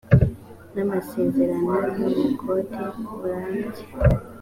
n amasezerano y ubukode burambye